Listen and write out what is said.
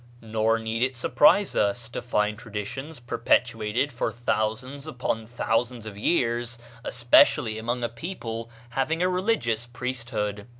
Nor need it surprise us to find traditions perpetuated for thousands upon thousands of years, especially among a people having a religious priesthood.